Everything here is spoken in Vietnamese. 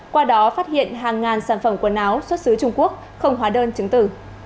qua đó phát hiện hàng ngàn sản phẩm quần áo xuất xứ trung quốc không hóa đơn chứng tử